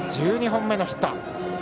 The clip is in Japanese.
１２本目のヒット。